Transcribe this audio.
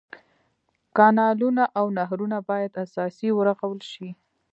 کانلونه او نهرونه باید اساسي ورغول شي.